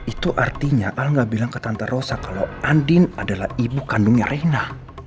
itu artinya alga bilang ke tante rosa kalau andin adalah ibu kandungnya rena